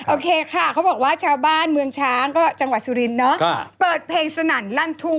โอเคค่ะเขาบอกว่าชาวบ้านเมืองช้างก็จังหวัดสุรินทเนอะเปิดเพลงสนั่นลั่นทุ่ง